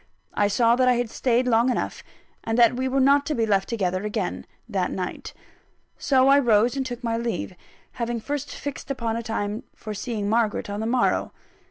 I saw that I had stayed long enough, and that we were not to be left together again, that night. So I rose and took my leave, having first fixed a time for seeing Margaret on the morrow.